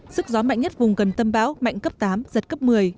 sức gió mạnh nhất vùng gần tâm bão mạnh cấp tám giật cấp một mươi